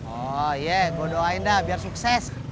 oh iya gue doain dah biar sukses